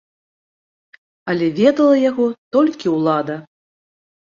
Але ведала яго толькі ўлада.